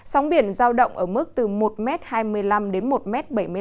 sóng biển giao động ở mức từ một hai mươi năm m đến một bảy mươi năm m